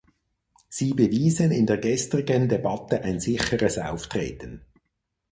Sie bewiesen in der gestrigen Debatte ein sicheres Auftreten.